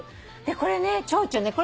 これねチョウチョね